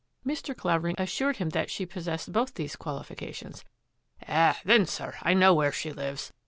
Mr. Clavering assured him that she possessed both these qualifications. " Eh, then, sir, I know where she lives.